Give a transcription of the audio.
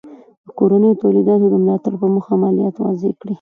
د کورنیو تولیداتو د ملاتړ په موخه مالیات وضع کړي.